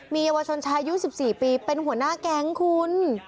มีเยาวชนชายอายุ๑๔ปีเป็นหัวหน้าแก๊งคุณ